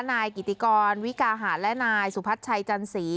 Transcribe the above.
นายกิติกรวิกาหารและนายสุพัชชัยจันสี